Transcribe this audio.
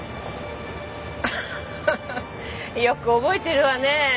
アハハッよく覚えてるわねぇ。